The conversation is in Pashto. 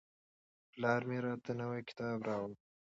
پلار مې راته نوی کتاب راوړ.